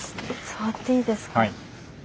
触っていいですか？